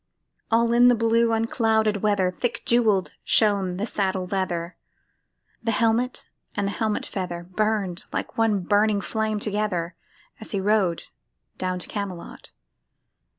All in the blue unclouded weather Thick jewel'd shone the saddle leather, The helmet and the helmet feather Burn'd like one burning flame together, As he rode down to Camelot.